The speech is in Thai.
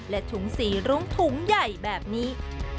และถุงสีรุ้งถุงใหญ่แบบนี้